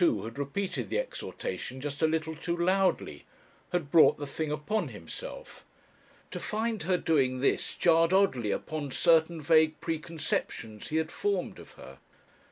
had repeated the exhortation just a little too loudly had brought the thing upon himself. To find her doing this jarred oddly upon certain vague preconceptions he had formed of her.